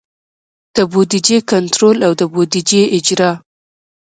د بودیجې کنټرول او د بودیجې اجرا.